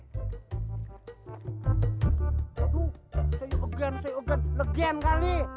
see you again see you again legend kali